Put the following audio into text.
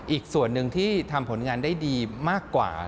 อีกส่วนหนึ่งที่ทำผลงานได้ดีมากกว่า